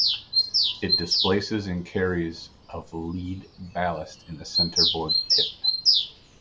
It displaces and carries of lead ballast in the centerboard tip.